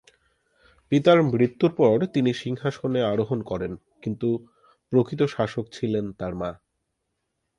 পিতার মৃত্যুর পর তিনি সিংহাসনে আরোহণ করেন, কিন্তু প্রকৃত শাসক ছিলেন তার মা।